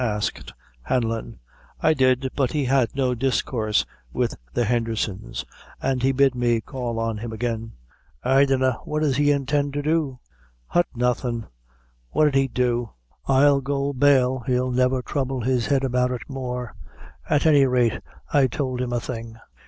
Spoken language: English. asked Hanlon. "I did, but he had no discoorse with the Hendherson's; and he bid me call on him again." "I dunna what does he intend to do?" "Hut, nothing. What 'id he do? I'll go bail, he'll never trouble his head about it more; at any rate I tould him a thing."